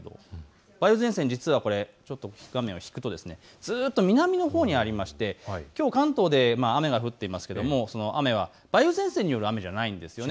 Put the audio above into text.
梅雨前線、実は引くとずっと南のほうにありまして、きょう、関東で雨が降っていますけれども、その雨は梅雨前線による雨ではないんです。